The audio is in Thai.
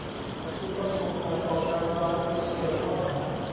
ผู้ต้องสงสัยก่อการร้ายปฏิเสธข้อหา